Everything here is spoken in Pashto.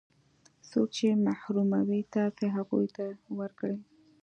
څوک چې محروموي تاسې هغو ته ورکړئ.